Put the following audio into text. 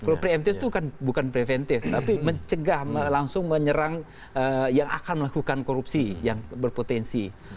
kalau preemptif itu kan bukan preventif tapi mencegah langsung menyerang yang akan melakukan korupsi yang berpotensi